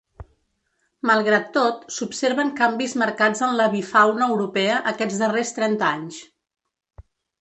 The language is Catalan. Malgrat tot, s’observen canvis marcats en l’avifauna europea aquests darrers trenta anys.